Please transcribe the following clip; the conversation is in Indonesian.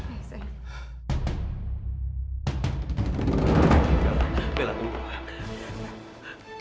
bella bella tunggu